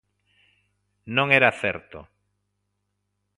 Non era certo.